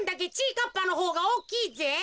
かっぱのほうがおおきいぜ。